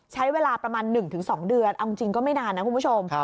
ใช้เวลาประมาณ๑๒เดือนเอาจริงก็ไม่นานนะคุณผู้ชม